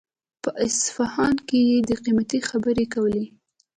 په اصفهان کې يې د قيمتۍ خبرې کولې.